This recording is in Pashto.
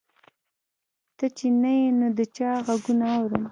ته چې نه یې نو د چا غـــــــږونه اورم